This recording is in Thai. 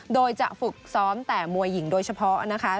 โดยจะฝึกซ้อมแต่มวยหญิงโดยเฉพาะนะคะ